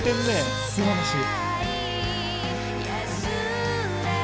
すばらしい。